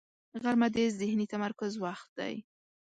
غرمه د ذهني تمرکز وخت دی